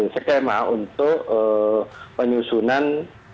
skema untuk penyusunan